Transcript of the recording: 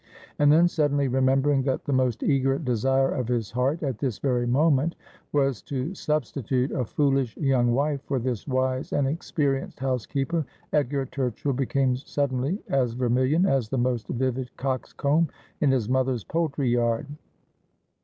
And then, suddenly remembering that the most eager desire of his heart at this very moment was to substitute a foolish young wife for this wise and experienced housekeeper, Edgar Turchill became suddenly as vermilion as the most vivid cock's comb in his mother's poultry yard.